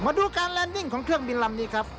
มาดูการแลนดิ้งของเครื่องบินลำนี้ครับ